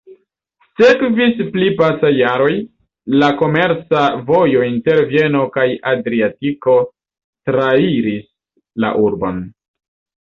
Sekvis pli pacaj jaroj, la komerca vojo inter Vieno kaj Adriatiko trairis la urbon.